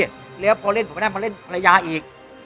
แล้วพอเล่นผมไม่ได้มาเล่นภรรยาอีก